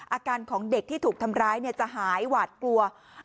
อาการของเด็กที่ถูกทำร้ายจะหายหวาดกลัว